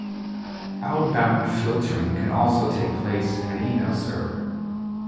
Outbound filtering can also take place in an email server.